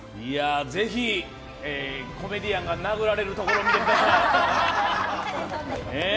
ぜひコメディアンが殴られるところ見てください。